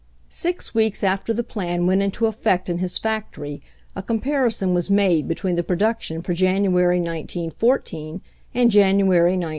Six weeks after the plan went into effect in his factory a comparison was made between the production for January, 19 14, and January, 191 3.